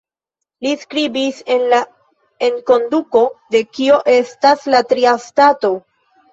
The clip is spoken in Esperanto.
Li skribis en la enkonduko de "Kio estas la Tria Stato?